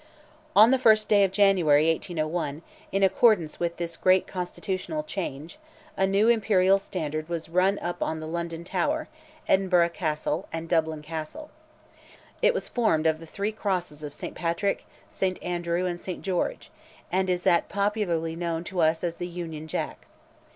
On the 1st day of January, 1801, in accordance with this great Constitutional change, a new imperial standard was run up on London Tower, Edinburgh Castle, and Dublin Castle. It was formed of the three crosses of St. Patrick, Saint Andrew, and Saint George, and is that popularly known to us as "the Union Jack."